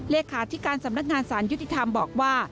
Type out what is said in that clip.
เลขาธิการสำนักงานสารยุติธรรมบอกว่า